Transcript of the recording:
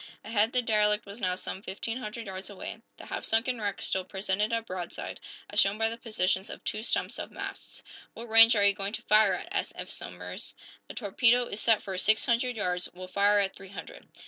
Ahead, the derelict was now some fifteen hundred yards away. The half sunken wreck still presented a broadside, as shown by the positions of two stumps of masts. "What range are you going to fire at?" asked Eph Somers. "The torpedo is set for six hundred yards; we'll fire at three hundred."